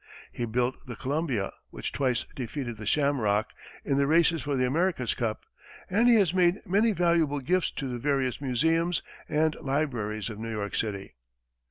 He built the "Columbia," which twice defeated the "Shamrock" in the races for the America's cup, and he has made many valuable gifts to the various museums and libraries of New York City.